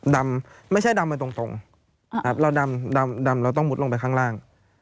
ไม่ใช่ดำไปตรงเราดำดำเราต้องมุดลงไปข้างล่าง